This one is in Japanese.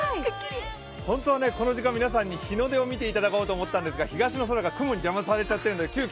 本当はこの時間、皆さんに日の出を見ていただこうと思ったんですが東の空が雲に邪魔されてしまっているので急きょ